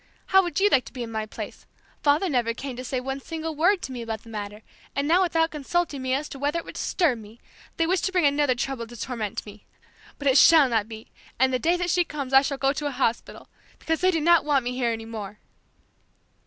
How would you like to be in my place? Father never came to say one single word to me about the matter, and now without consulting me as to whether it would disturb me, they wish to bring another trouble to torment me more! But it shall not be, and the day that she comes I shall go to a hospital, because they do not want me here any more!"